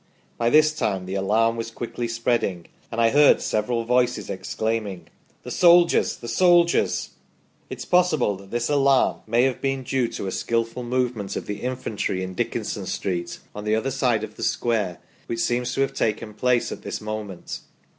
By this time the alarm was quickly spreading and I heard several voices exclaiming :* The soldiers ! the soldiers !' It is possible that this alarm may have been due to a skilful move ment of the infantry in Dickinson Street on the other side of the square, which seems to have taken place at this moment.